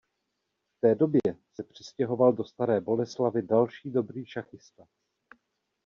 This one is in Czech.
V té době se přistěhoval do Staré Boleslavi další dobrý šachista.